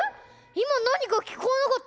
いまなにかきこえなかった？